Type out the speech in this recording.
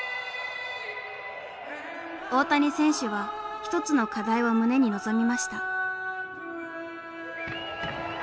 大谷選手は一つの課題を胸に臨みました。